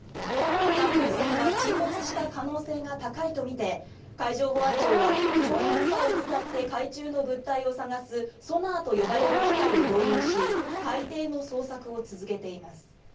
観光船は沈没した可能性が高いとみて海上保安庁は超音波を使って海中の物体を探すソナーと呼ばれる機械を導入し海底の捜索を続けています。